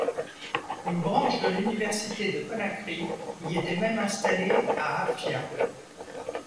Une branche de l'université de Conakry y était même installée à Hafia.